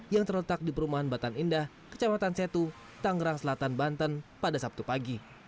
yang terletak di perumahan batan indah kecamatan setu tangerang selatan banten pada sabtu pagi